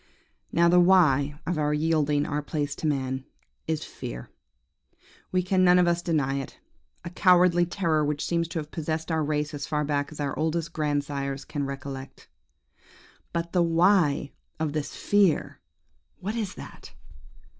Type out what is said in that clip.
"Now, the WHY of our yielding our place to man is fear. We can none of us deny it: a cowardly terror which seems to have possessed our race as far back as our oldest grandsires can recollect. "But the WHY of this fear? What is that?